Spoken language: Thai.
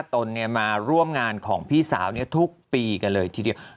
ตนมาร่วมงานของพี่สาวทุกปีกันเลยทีเดียว